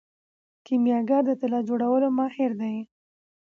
کیمیاګر د طلا جوړولو ماهر دی.